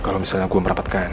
kalo misalnya gue merapatkan